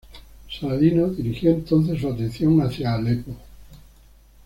Saladino dirigió entonces su atención hacia Alepo.